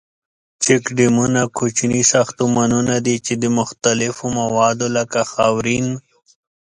چیک ډیمونه کوچني ساختمانونه دي ،چې د مختلفو موادو لکه خاورین.